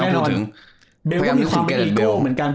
แน่นอนเบลก็มีความไม่ดีกว่าเหมือนกัน